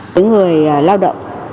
tới người lao động